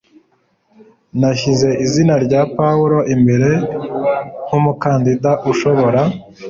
Nashyize izina rya Pawulo imbere nkumukandida ushobora.